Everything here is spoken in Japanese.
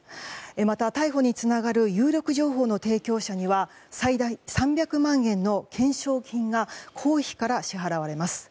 また逮捕につながる有力情報の提供者には最大３００万円の懸賞金が公費から支払われます。